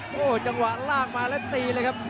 โอ้โหจังหวะลากมาแล้วตีเลยครับ